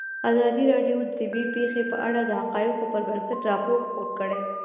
ازادي راډیو د طبیعي پېښې په اړه د حقایقو پر بنسټ راپور خپور کړی.